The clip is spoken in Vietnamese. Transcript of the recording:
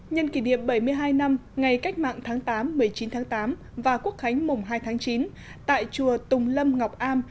nhân kỷ niệm bảy mươi hai năm ngày cách mạng tháng tám một mươi chín tháng tám và quốc khánh mùng hai tháng chín tại chùa tùng lâm ngọc am